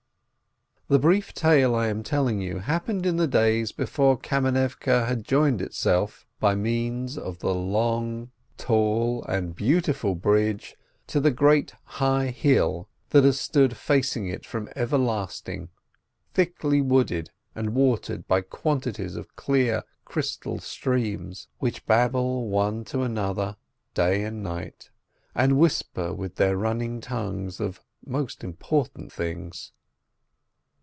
IV The brief tale I am telling you happened in the days before Kamenivke had joined itself on, by means of the long, tall, and beautiful bridge, to the great high hill that has stood facing it from everlasting, thickly wooded, and watered by quantities of clear, crystal streams, which babble one to another day and night, and whisper with their running tongues of most important things.